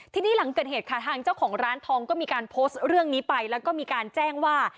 ทีนี้หลังเกิดเหตุค่ะทางเจ้าของร้านทองก็มีการโพสต์เรื่องนี้ไปแล้วก็มีการแจ้งว่า